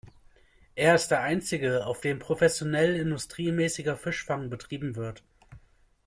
Er ist der einzige, auf dem professionell industriemäßiger Fischfang betrieben wird.